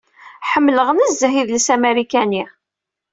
Ḥemleɣ nezzah idles amarikani